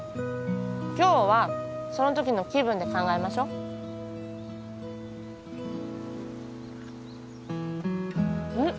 今日はその時の気分で考えましょうん？